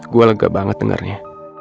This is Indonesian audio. gue lega banget dengarnya